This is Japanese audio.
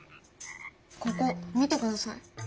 ここ見てください。